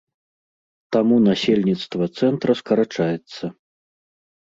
Таму насельніцтва цэнтра скарачаецца.